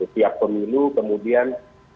setiap pemilu kemudian